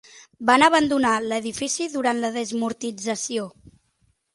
Van abandonar l'edifici durant la desamortització.